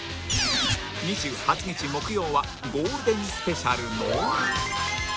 ２８日木曜はゴールデンスペシャルの